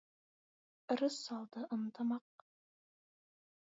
ырыс алды — ынтымақ.